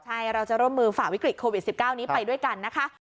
ใช่เราจะร่วมมือฝ่าวิกฤตโควิด๑๙นี้ไปด้วยกันนะคะ